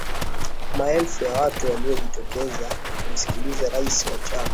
Maelfu ya watu waliojitokeza kumsikiliza rais wa chama